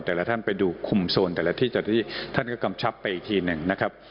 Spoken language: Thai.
แต่ละท่านไปดูคุมโซนแต่ละที่ท่านก็กำชับไปอีกทีหนึ่งนะครับ